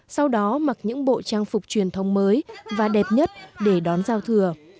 sau đó mặc những bộ trang phục truyền thống mới và đẹp nhất để đón giao thừa